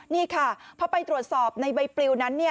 นี่ค่ะพอไปตรวจสอบในใบปลิวนั้น